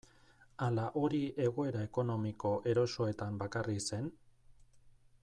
Ala hori egoera ekonomiko erosoetan bakarrik zen?